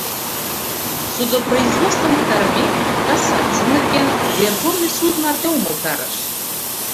Судопроизводствым пытарымек, кассаций нерген, Верховный суд марте умылтарыш.